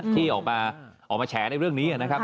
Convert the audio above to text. ถี่ออกมาแชร์ในเรื่องนี้